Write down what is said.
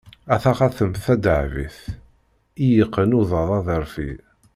A taxatemt tadehbit, i yeqqen uḍad aḍeṛfi!